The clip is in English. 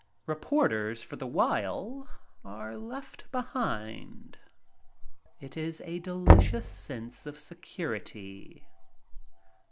Reporters for the while are left behind. It is a delicious sense of security.